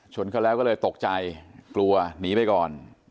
ชนเขาแล้วก็เลยตกใจกลัวหนีไปก่อน